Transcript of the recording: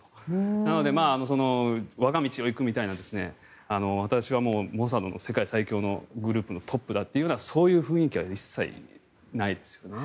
なので、我が道を行くみたいな私はモサドの世界最恐のグループのトップだというそういう雰囲気は一切ないですよね。